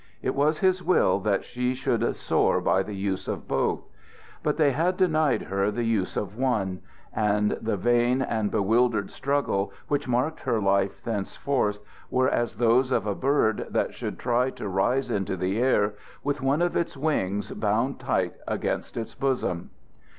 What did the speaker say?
It was his will that she should soar by the use of both. But they had denied her the use of one; and the vain and bewildered struggles which marked her life thenceforth were as those of a bird that should try to rise into the air with one of its wings bound tight against its bosom.